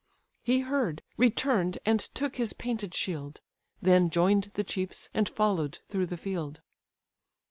He heard, return'd, and took his painted shield; Then join'd the chiefs, and follow'd through the field.